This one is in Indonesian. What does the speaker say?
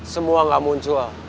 semua gak muncul